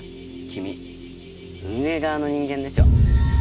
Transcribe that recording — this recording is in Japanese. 君運営側の人間でしょ？